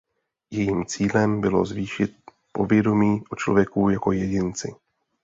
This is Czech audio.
Jejím cílem bylo zvýšit povědomí o člověku jako jedinci.